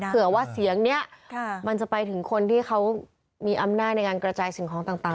เผื่อว่าเสียงนี้มันจะไปถึงคนที่เขามีอำนาจในการกระจายสิ่งของต่าง